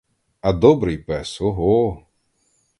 А добрий пес — ого!